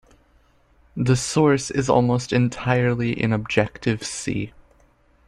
The source is almost entirely in Objective-C.